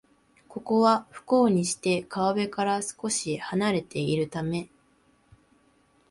ここは、不幸にして川辺から少しはなれているため